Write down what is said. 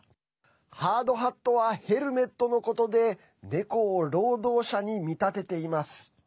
ハードハットはヘルメットのことでネコを労働者に見立てています。